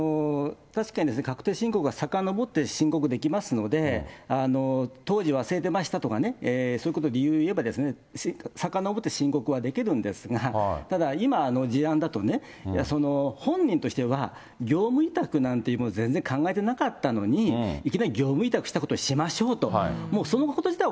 確かに確定申告はさかのぼって申告できますので、当時忘れてましたとかね、そういうことを理由に言えば、さかのぼって申告はできるんですが、ただ、今の事案だと、本人としては業務委託なんて全然考えてなかったのに、いきなり業務委託したことにしましょうと、もうそのこと自体